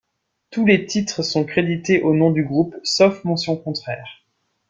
Tous les titres sont crédités au nom du groupe, sauf mention contraire.